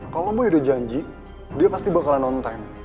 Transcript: kalo boy udah janji dia pasti bakal nonton